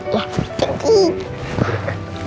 ya cepat sembuh